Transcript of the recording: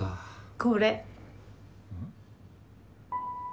これ。